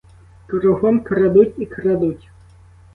Кругом крадуть і крадуть.